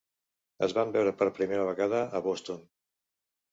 Es van veure per primera vegada a Boston.